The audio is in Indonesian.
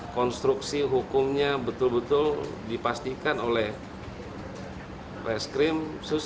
konstruksi hukumnya betul betul dipastikan oleh reskrim sus